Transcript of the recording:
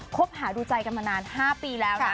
คบหาดูใจกันมานาน๕ปีแล้วนะ